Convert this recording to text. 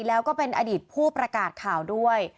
แล้วก็เป็นอดีตผู้ประกาศข่าวด้วย